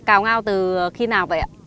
cào ngao từ khi nào vậy ạ